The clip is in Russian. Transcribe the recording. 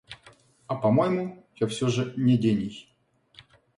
А по-моему, я всё же не гений.